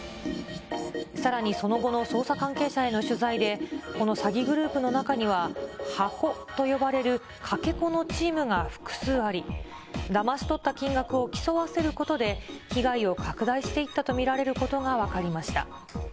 さらにその後の捜査関係者への取材で、この詐欺グループの中には箱と呼ばれる、かけ子のチームが複数あり、だまし取った金額を競わせることで、被害を拡大していったと見られることが分かりました。